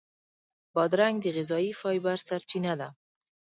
بادرنګ د غذایي فایبر سرچینه ده.